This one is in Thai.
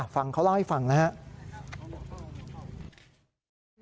ฟังเข้าเล่าให้ฟังนะฮะ